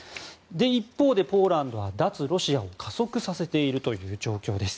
一方で、ポーランドは脱ロシアを加速させているという状況です。